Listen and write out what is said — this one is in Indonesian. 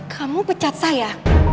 kamu pecat saya